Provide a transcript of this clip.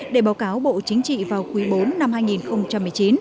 để báo cáo bộ chính trị vào quý bốn năm hai nghìn một mươi chín